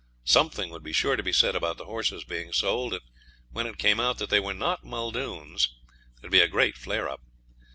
Something would be sure to be said about the horses being sold, and when it came out that they were not Muldoon's there would be a great flare up.